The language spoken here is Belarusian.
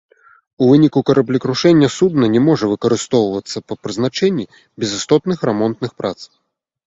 У выніку караблекрушэння судна не можа выкарыстоўвацца па прызначэнні без істотных рамонтных прац.